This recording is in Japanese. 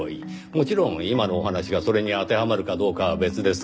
もちろん今のお話がそれに当てはまるかどうかは別ですがね。